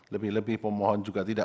lebih lebih pemohon juga tidak